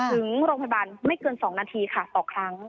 ถึงโรงพยาบาลไม่เกิน๒นาทีค่ะต่อครั้ง